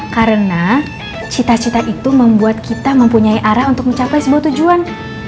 karena cita cita itu membuat kita mempunyai arah untuk mencapai sebuah tujuan